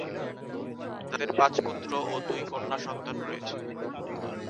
তাদের পাঁচ পুত্র ও দুই কন্যা সন্তান রয়েছে।